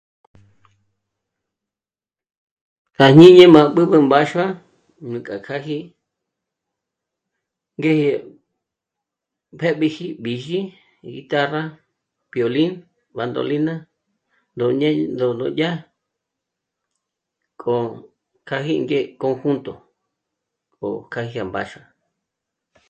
À jñíni má b'ǚb'ü mbáxua nújk'a kjáji ngé t'ë́b'iji bízhi, guitarra, violín, bandolina ndó ñel... ndó ró dyà k'o kjáji ngé conjunto o k'âji à mbáxua